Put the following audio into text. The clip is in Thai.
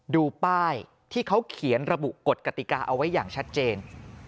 ดูป้ายที่เขาเขียนระบุกฎกติกาเอาไว้อย่างชัดเจน